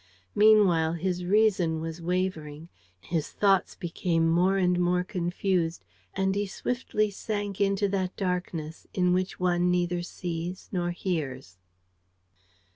Meanwhile his reason was wavering. His thoughts became more and more confused. And he swiftly sank into that darkness in which one neither sees nor hears.